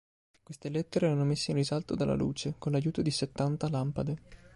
Queste lettere erano messe in risalto dalla luce, con l'aiuto di settanta lampade.